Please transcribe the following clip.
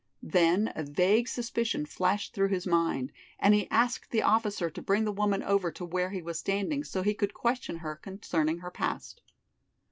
Then a vague suspicion flashed through his mind and he asked the officer to bring the woman over to where he was standing so he could question her concerning her past.